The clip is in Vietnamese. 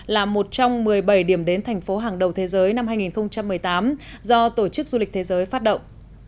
là một trong một mươi bảy điểm đến thành phố hàng đầu thế giới năm hai nghìn một mươi tám do tổ chức du lịch thế giới phát động